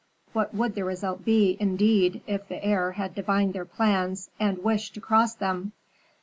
What would the result be, indeed, if the heir had divined their plans and wished to cross them?